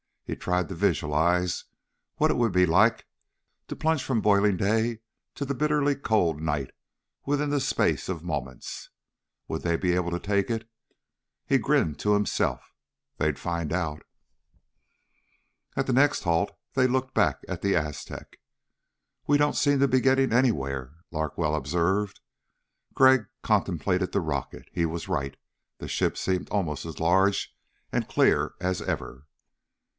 He tried to visualize what it would be like to plunge from boiling day to the bitterly cold night within the space of moments. Would they be able to take it? He grinned to himself. They'd find out! At the next halt they looked back at the Aztec. "We don't seem to be getting anywhere," Larkwell observed. Crag contemplated the rocket. He was right. The ship seemed almost as large and clear as ever.